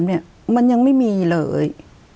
เนี่ยมันยังไม่มีเลย